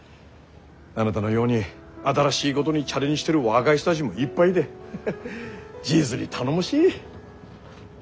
あなたのように新しいごどにチャレンジしてる若い人だぢもいっぱいいで実に頼もしい。